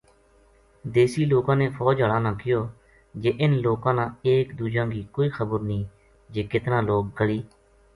دیسی لوکاں نے فوج ہالاں نا کہیو جے انھ لوکاں نا ایک دوجاں کی کوئی خبر نیہہ جے کتنا لوک گلی